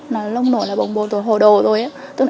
nói lông nổi là bồng bồn rồi hồ đồ rồi